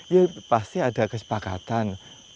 ya pasti ada kesepakatan pks ya